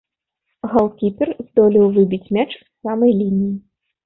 Галкіпер здолеў выбіць мяч з самай лініі.